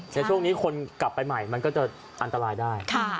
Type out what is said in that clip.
ในช่วงนี้คนกลับไปใหม่มันก็จะอันตรายได้